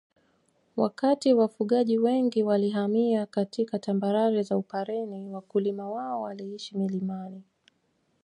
Wakati wafugaji wengi walihamia katika tambarare za Upareni Wakulima wao waliishi milimani